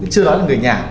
chưa nói là người nhà